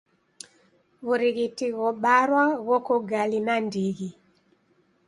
W'urighiti ghobarwa ghoko gali nandighi.